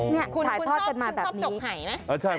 เนี่ยถ่ายทอดกันมาแบบนี้คุณชอบจกไห่ไหม